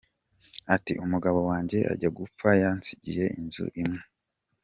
Ati “Umugabo wanjye ajya gupfa yansigiye inzu imwe.